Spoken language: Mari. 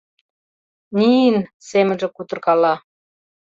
— Ниин... — семынже кутыркала.